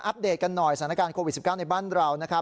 อัปเดตกันหน่อยสถานการณ์โควิด๑๙ในบ้านเรา